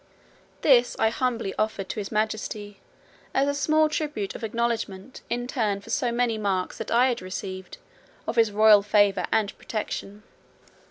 This I humbly offered to his majesty, as a small tribute of acknowledgment, in turn for so many marks that I had received, of his royal favour and protection.